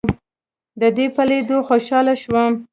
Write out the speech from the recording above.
دده په لیدو خوشاله شوم.